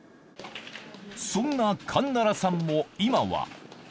そんなカン・ナラさんも今は。